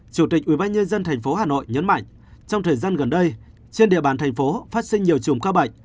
chủ tịch ubnd tp hà nội nhấn mạnh trong thời gian gần đây trên địa bàn tp phát sinh nhiều chùm ca bệnh